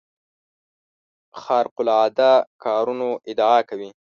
خارق العاده کارونو ادعا کوي.